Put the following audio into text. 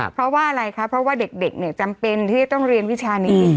เพราะว่าอะไรคะเพราะว่าเด็กเนี่ยจำเป็นที่จะต้องเรียนวิชานี้